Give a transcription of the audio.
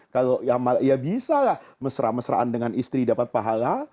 kalau ya bisa lah mesra mesraan dengan istri dapat pahala